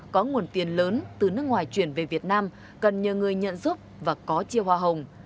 có nguồn tiền lớn từ nước ngoài chuyển về việt nam cần nhờ người nhận giúp và có chiêu hoa hồng